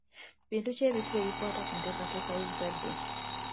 Bintu ki ebikulu ebikwata ku nteekateeka y'ezadde?